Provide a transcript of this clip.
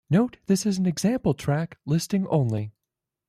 Note, this is an example track listing only.